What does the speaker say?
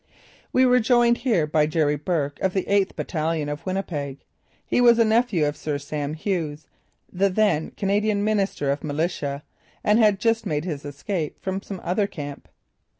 We were joined here by Jerry Burke of the 8th Battalion of Winnipeg. He was a nephew of Sir Sam Hughes, the then Canadian Minister of Militia and had just made his escape from some other camp.